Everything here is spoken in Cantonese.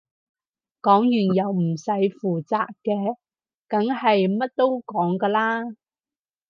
講完又唔使負責嘅梗係乜都講㗎啦